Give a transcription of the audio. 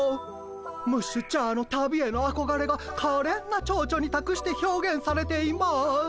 ムッシュチャーの旅へのあこがれがかれんなちょうちょにたくして表現されています。